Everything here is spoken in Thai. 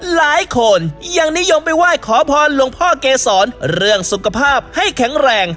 หลายคนยังนิยมไปไหว้ขอพรหลวงพ่อเกษรเรื่องสุขภาพให้แข็งแรง